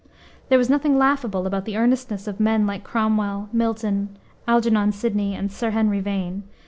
There was nothing laughable about the earnestness of men like Cromwell, Milton, Algernon Sidney, and Sir Henry Vane.